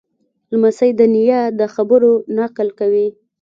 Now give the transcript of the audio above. لمسی د نیا د خبرو نقل کوي.